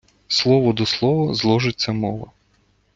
Слово до слова – зложиться мова.